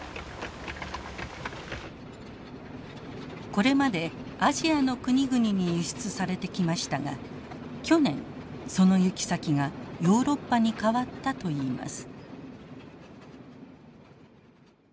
これまでアジアの国々に輸出されてきましたが去年その行き先がヨーロッパに変わったといいます。